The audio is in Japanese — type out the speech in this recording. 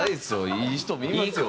いい人もいますよ。